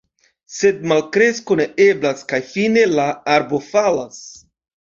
Sed malkresko ne eblas. Kaj fine, la arbo falas.